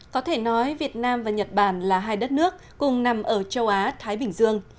có thể nói việt nam và nhật bản là hai đất nước cùng nằm ở châu á thái bình dương